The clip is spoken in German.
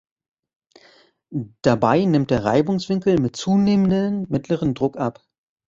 Dabei nimmt der Reibungswinkel mit zunehmendem mittleren Druck ab.